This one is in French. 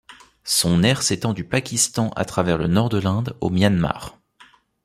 Son aire s'étend du Pakistan à travers le nord de l'Inde au Myanmar.